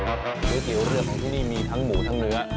ก๋วยเตี๋ยวเรือของที่นี่มีทั้งหมูทั้งเนื้อ